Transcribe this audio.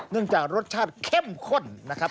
เนื่องจากรสชาติเข้มข้นนะครับ